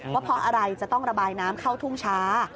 ว่าเพราะอะไรจะต้องระบายน้ำเข้าทุ่งช้า